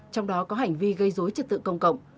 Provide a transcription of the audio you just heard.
trong đó có hành vi gây dối trật tự công cộng